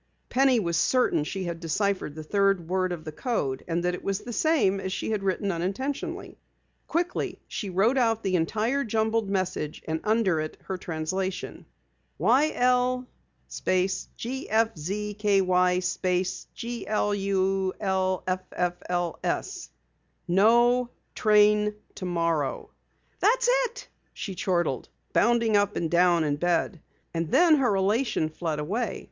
Penny was certain she had deciphered the third word of the code and that it was the same as she had written unintentionally. Quickly she wrote out the entire jumbled message, and under it her translation. YL GFZKY GLULFFLS NO TRAIN TOMORROW "That's it!" she chortled, bounding up and down in bed. And then her elation fled away.